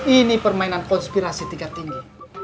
ini permainan konspirasi tingkat tinggi